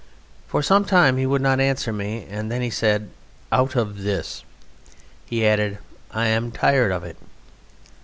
For some time he would not answer me, and then he said, "Out of this." He added, "I am tired of it."